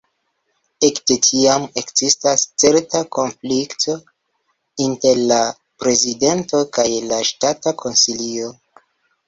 Ekde tiam ekzistas certa konflikto inter la prezidento kaj la Ŝtata Konsilio.